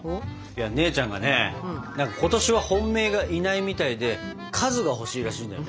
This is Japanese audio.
姉ちゃんがね今年は本命がいないみたいで数が欲しいらしいんだよね。